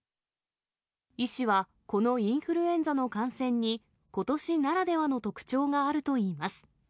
医師は、このインフルエンザの感染に、ことしならではの特徴があるといいます。